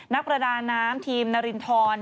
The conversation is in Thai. นักประดาน้ำทีมนารินทร